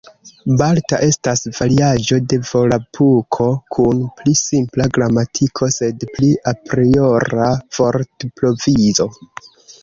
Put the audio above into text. Balta estas variaĵo de Volapuko kun pli simpla gramatiko, sed pli apriora vortprovizo.